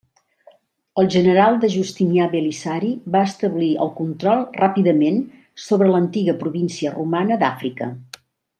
El general de Justinià Belisari va establir el control ràpidament sobre l'antiga província romana d'Àfrica.